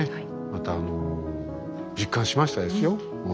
またあの実感しましたですよ。